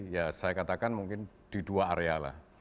ya saya katakan mungkin di dua area lah